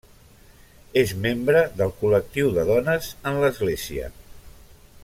És membre del Col·lectiu de Dones en l'Església.